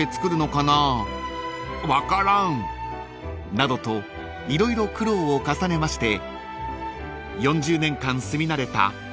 ［などと色々苦労を重ねまして］